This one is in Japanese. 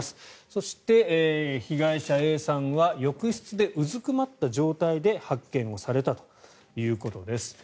そして、被害者Ａさんは浴室でうずくまった状態で発見されたということです。